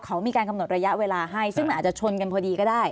เขามีการกำหนดระยะเวลาให้ซึ่งมันอาจจะชนกันพอดีก็ได้